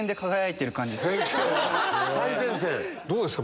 どうですか？